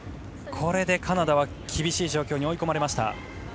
これでカナダは厳しい状況に追い込まれました。